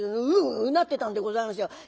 うんうんうなってたんでございますよ。